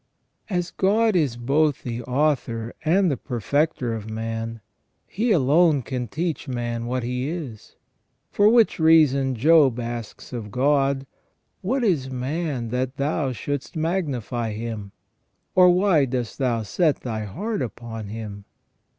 As God is both the Author and the Perfecter of man, He alone can teach ON THE NATURE OF MAN 5 man what he is ; for which reason Job asks of God :" What is man that Thou shouldst magnify him ? Or why dost Thou set Thy heart upon him